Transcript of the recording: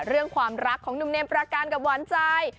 เรื่องความรักของหนุ่มเมมประการกับหวานใจ